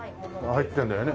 入ってんだよね。